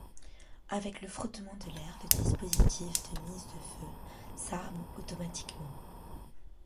Avec le frottement de l’air, le dispositif de mise de feu s’arme automatiquement.